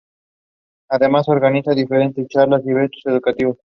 Además, organizan diferentes charlas y eventos educativos.